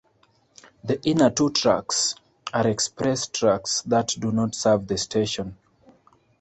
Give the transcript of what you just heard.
The inner two tracks are express tracks that do not serve the station.